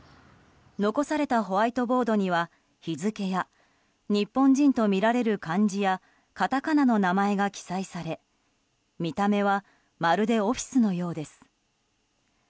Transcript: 残されたホワイトボードには日付や日本人とみられる漢字やカタカナの名前が記載され見た目はまるでオフィスのようです。